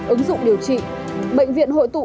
ứng dụng điều trị bệnh viện hội tụ